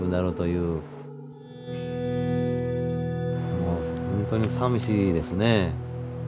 もうほんとにさみしいですね。